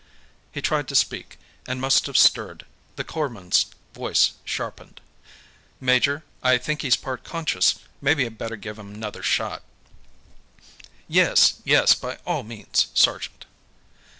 He tried to speak, and must have stirred; the corpsman's voice sharpened. "Major, I think he's part conscious. Mebbe I better give him 'nother shot." "Yes, yes; by all means, sergeant."